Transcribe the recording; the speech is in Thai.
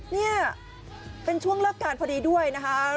นี่เป็นช่วงเลิกการพอดีด้วยนะคะ